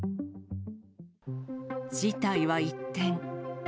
事態は一転。